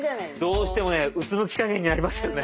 どうしてもねうつむきかげんになりますよね。